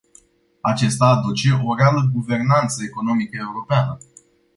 Acesta aduce o reală guvernanță economică europeană.